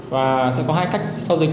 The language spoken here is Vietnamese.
và sẽ có hai cách giao dịch